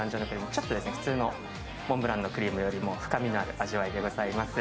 ちょっと普通のモンブランのクリームよりも深みのある味わいでございます。